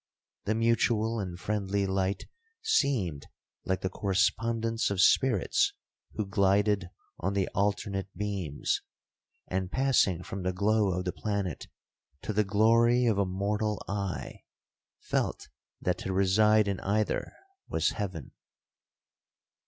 The mutual and friendly light seemed like the correspondence of spirits who glided on the alternate beams, and, passing from the glow of the planet to the glory of a mortal eye, felt that to reside in either was heaven.